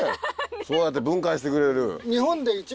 そうやって分解してくれる。